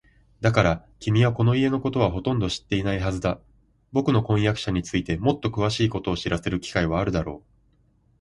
だから、君はこの家のことはほとんど知っていないはずだ。ぼくの婚約者についてもっとくわしいことを知らせる機会はあるだろう。